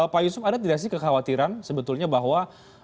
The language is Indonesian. pak yusuf ada tidak sih kekhawatiran sebetulnya bahwa